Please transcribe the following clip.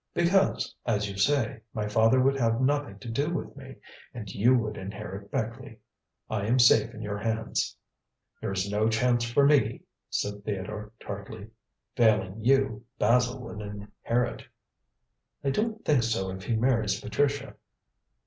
"Because, as you say, my father would have nothing to do with me, and you would inherit Beckleigh. I am safe in your hands." "There is no chance for me," said Theodore tartly. "Failing you, Basil would inherit." "I don't think so if he marries Patricia."